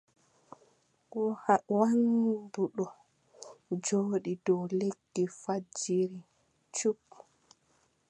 Waandu ɗo jooɗi dow lekki fajiri cup.